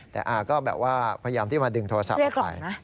แต่อาก็แบบว่าพยายามที่มาดึงโทรศัพท์ออกไป